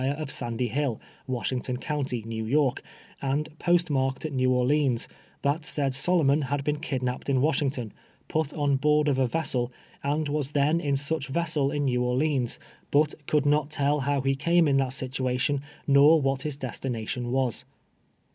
of Sandy Hill, Washington county, New York, and post marked at New Orleans, that said Solomon had been kidnapj^ed in Washington, put on board of a vessel, and was then in such vessel in New Orleans, but could not tell how he came m that situation, nor what his destination was.